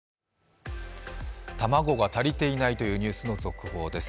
卵が足りていないというニュースの続報です。